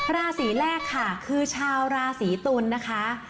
ราศีแรกค่ะคือชาวราศีตุลนะคะ